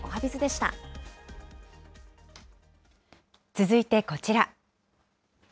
続いてこちら。